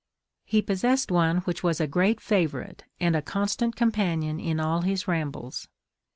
He possessed one which was a great favourite, and a constant companion in all his rambles.